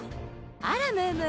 あらムームー。